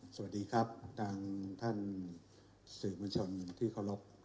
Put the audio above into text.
สวัสดีครับนางท่านสินิมัญชนที่โครบ